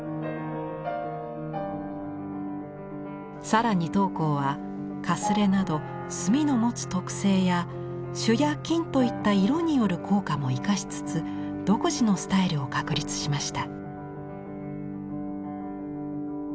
更に桃紅はかすれなど墨の持つ特性や朱や金といった色による効果も生かしつつ独自のスタイルを確立しました。